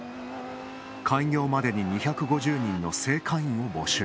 開業までに２５０人の正会員を募集。